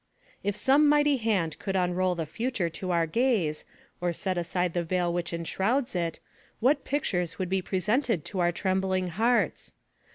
If some mighty hand could unroll the future to our gaze, or set aside the veil which enshrouds it, what pictures would be presented to our trembling hearts?